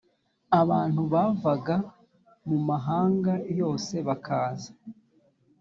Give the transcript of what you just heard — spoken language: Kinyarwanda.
abantu bavaga mu mahanga yose bakaza